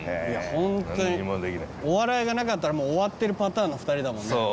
ホントにお笑いがなかったらもう終わってるパターンの２人だもんね。